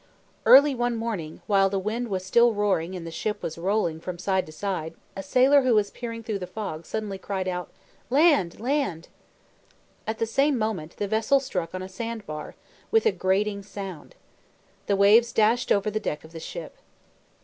Early one morning, while the wind was still roaring and the ship was rolling from side to side, a sailor who was peering through the fog suddenly cried out, "Land! Land!" At the same moment, the vessel struck on a sand bar, with a grating sound. The waves dashed over the deck of the ship.